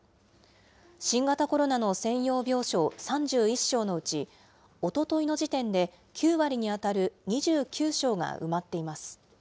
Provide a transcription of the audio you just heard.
新型コロナの専用病床３１床のうち、おとといの時点で９割に当たる２９床が埋まっています。